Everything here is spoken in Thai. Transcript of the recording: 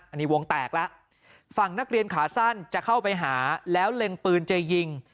อันนี้วงแตกแล้วฝั่งนักเรียนขาสั้นจะเข้าไปหาแล้วเล็งปืนจะยิง